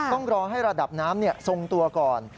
ต้องรอให้ระดับน้ำทรงตัวก่อน